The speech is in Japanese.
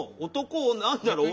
「女何だろう」。